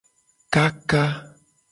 Kaka.